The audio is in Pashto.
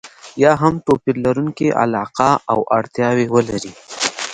یا هم توپير لرونکې علاقه او اړتياوې ولري.